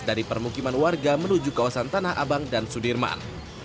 dari permukiman warga menuju kawasan tanah abang dan sudirman